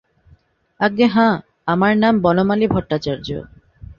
আজ্ঞে হাঁ, আমার নাম বনমালী ভট্টাচার্য।